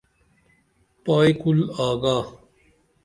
پائی کُل آگا